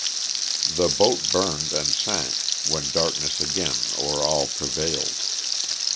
The boat burned and sank, when darkness again o'er all prevailed.